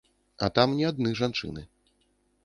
А там не адны жанчыны.